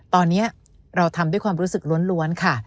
ตอนนี้เราทำด้วยความรู้สึกล้วนค่ะ